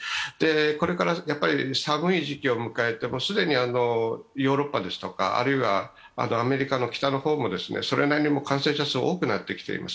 これから寒い時期を迎えて既にヨーロッパですとかあるいはアメリカの北の方もそれなりに感染者数が多くなってきています。